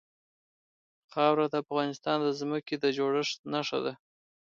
خاوره د افغانستان د ځمکې د جوړښت نښه ده.